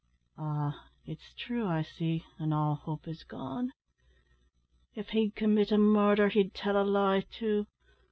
"Ah! it's true, I see, an' all hope is gone. If he'd commit a murder, he'd tell a lie too.